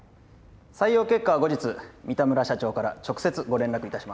採用結果は後日三田村社長から直接ご連絡いたします。